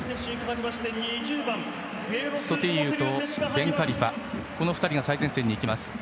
ソティリウとベンカリファこの２人が最前線に行きます。